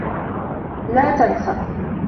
لا تنس!